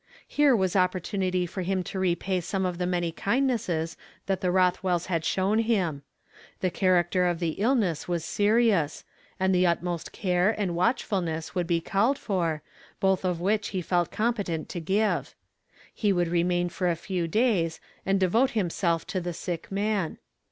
Here was opportunity for him to repay some of the many kindnesses that the Rothwells had shown him. The character of the illness was serious, and the utmost care and watchfulness would be called for, both of which he felt com[)etent to give ; he would rtnnain for a few days, and devote himself to the sick man.